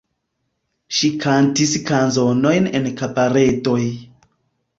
Ŝi kantis kanzonojn en kabaredoj.